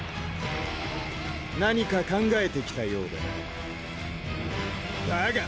何か考えてきたようだなだが！